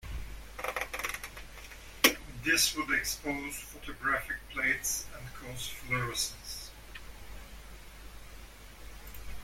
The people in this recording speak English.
This would expose photographic plates and cause fluorescence.